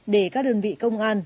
để các đơn vị công an